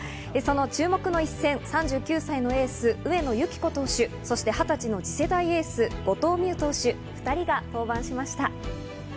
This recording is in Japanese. その注目の一戦、３９歳のエース、上野由岐子投手、そして２０歳の次世代エース、後藤希友投手、２人が登板しました。